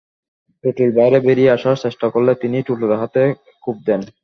টুটুল বাইরে বেরিয়ে আসার চেষ্টা করলে তিনি টুটুলের হাতে কোপ দেন।